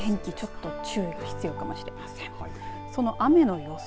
天気ちょっと注意が必要かもしれません。